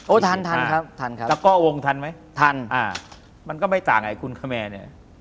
ทันทันครับทันครับแล้วก็วงทันไหมทันอ่ามันก็ไม่ต่างไอ้คุณคะแมร์เนี่ย